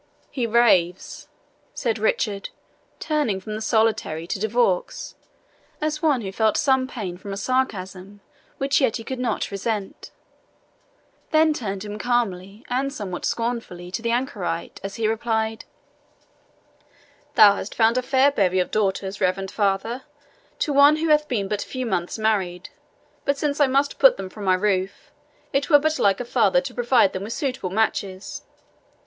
"He raves," said Richard, turning from the solitary to De Vaux, as one who felt some pain from a sarcasm which yet he could not resent; then turned him calmly, and somewhat scornfully, to the anchoret, as he replied, "Thou hast found a fair bevy of daughters, reverend father, to one who hath been but few months married; but since I must put them from my roof, it were but like a father to provide them with suitable matches.